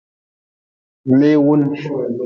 Leewun.